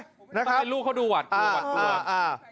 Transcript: ลูกเขาดูหวัดดูหวัดดูหวัด